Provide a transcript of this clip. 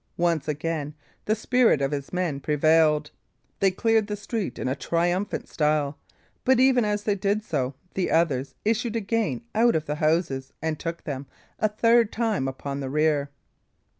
Once again the spirit of his men prevailed; they cleared the street in a triumphant style, but even as they did so the others issued again out of the houses, and took them, a third time, upon the rear.